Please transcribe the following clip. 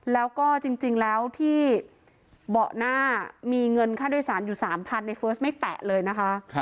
แล้วก็จริงแล้วที่เบาะหน้ามีเงินค่าโดยสารอยู่๓๐๐ในเฟิร์สไม่แตะเลยนะคะ